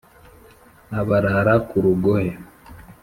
abarara ku rugohe